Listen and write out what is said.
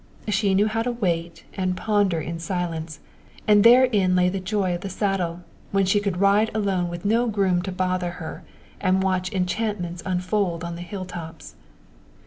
She knew how to wait and ponder in silence, and therein lay the joy of the saddle, when she could ride alone with no groom to bother her, and watch enchantments unfold on the hilltops.